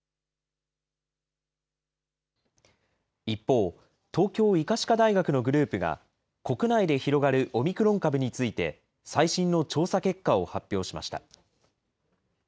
一方、東京医科歯科大学のグループが、国内で広がるオミクロン株について、最新の調査結果を発表しました。